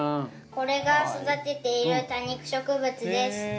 これが育てている多肉植物です。